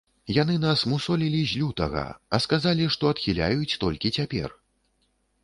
Яны нас мусолілі з лютага, а сказалі, што адхіляюць толькі цяпер.